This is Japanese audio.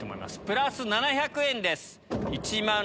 プラス７００円です。